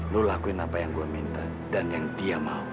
lo lakuin apa yang gue minta dan yang dia mau